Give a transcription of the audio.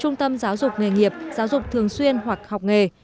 trung tâm giáo dục nghề nghiệp giáo dục thường xuyên hoặc học nghề